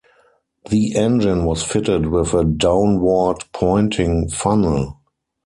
The engine was fitted with a downward-pointing funnel.